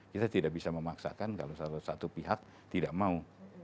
kita tidak bisa memaksakan kalau satu pihak tidak mau